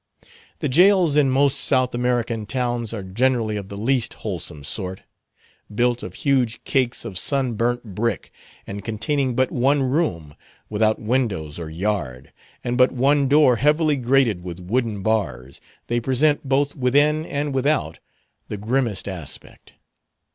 The jails in most South American towns are generally of the least wholesome sort. Built of huge cakes of sun burnt brick, and containing but one room, without windows or yard, and but one door heavily grated with wooden bars, they present both within and without the grimmest aspect.